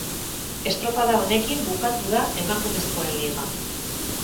Estropada honekin bukatu da emakumezkoen liga.